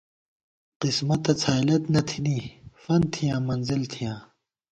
قسمتہ څھائیلت نہ تھنی فنت تھِیاں منزل تھِیاں